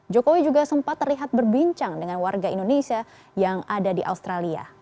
jokowi juga sempat terlihat berbincang dengan warga indonesia yang ada di australia